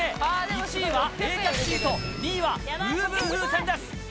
１位は冷却シート、２位はブーブー風船です。